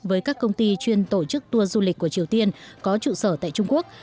với các công ty chuyên tổ chức tour du lịch của triều tiên có trụ sở tại trung quốc